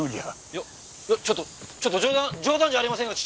いやいやちょっとちょっと冗談冗談じゃありませんよ